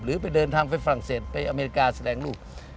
ไปเดินทางไปฝรั่งเศสไปอเมริกาแสดงลูก